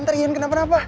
ntar ian kenapa napa